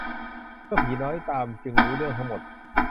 เมื่อผีน้อยตามจึงรู้เรื่องทั้งหมด